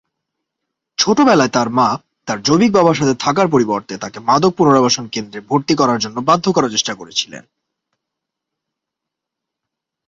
ছোটবেলায় তার মা তার জৈবিক বাবার সাথে থাকার পরিবর্তে তাকে মাদক পুনর্বাসন কেন্দ্রে ভর্তির জন্য বাধ্য করার চেষ্টা করেছিল।